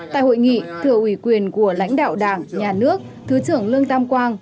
tại hội nghị thừa ủy quyền của lãnh đạo đảng nhà nước thứ trưởng lương tam quang